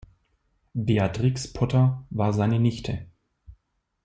Beatrix Potter war seine Nichte.